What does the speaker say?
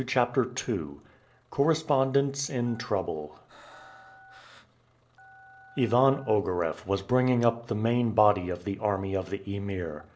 CHAPTER II CORRESPONDENTS IN TROUBLE IVAN OGAREFF was bringing up the main body of the army of the Emir.